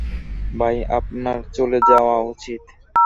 তাই আপনার চলে যাওয়া উচিত।